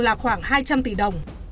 là khoảng hai trăm linh tỷ đồng